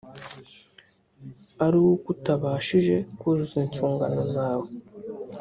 ari uko utabashije kuzuza inshingano zawo